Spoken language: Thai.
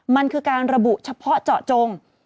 มันคือการระบุเฉพาะเจาะจง